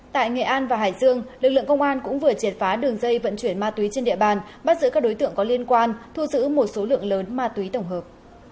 tại nghệ an và hải dương lực lượng công an cũng vừa triệt phá đường dây vận chuyển ma túy trên địa bàn bắt giữ các đối tượng có liên quan thu giữ một số lượng lớn ma túy tổng hợp